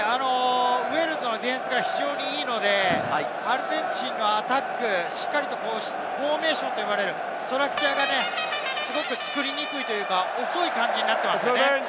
ウェールズのディフェンスがいいので、アルゼンチンのアタックフォーメーションと呼ばれるストラクチャーが作りにくい、遅い感じになっていますよね。